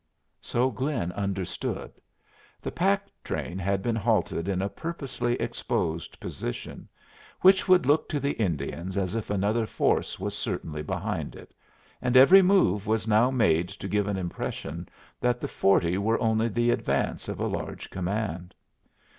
So Glynn understood. The pack train had been halted in a purposely exposed position, which would look to the Indians as if another force was certainly behind it, and every move was now made to give an impression that the forty were only the advance of a large command.